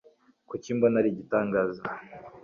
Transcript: kuki mbona ari igitangaza